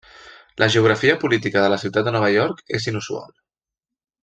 La geografia política de la ciutat de Nova York és inusual.